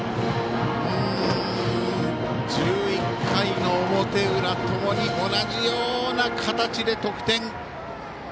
１１回の表裏ともに同じような形で得点。